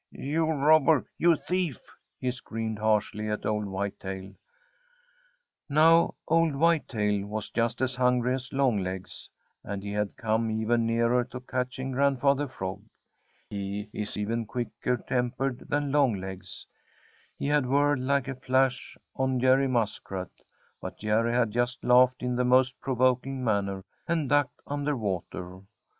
"You robber! You thief!" he screamed harshly at old Whitetail. Now old Whitetail was just as hungry as Longlegs, and he had come even nearer to catching Grandfather Frog. He is even quicker tempered than Longlegs. He had whirled like a flash on Jerry Muskrat, but Jerry had just laughed in the most provoking manner and ducked under water.